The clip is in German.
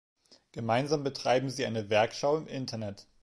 Gemeinsam betreiben sie eine Werkschau im Internet.